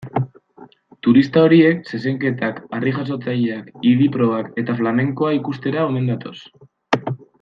Turista horiek zezenketak, harri-jasotzaileak, idi-probak eta flamenkoa ikustera omen datoz.